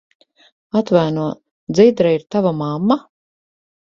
Atvaino, Dzidra ir tava mamma?